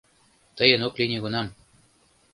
Тыйын ок лий нигунам